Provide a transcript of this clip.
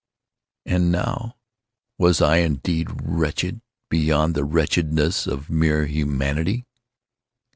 And now was I indeed wretched beyond the wretchedness of mere Humanity.